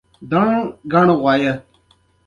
خپله مسوليت واخلئ چې په ځان باور زیات کړئ.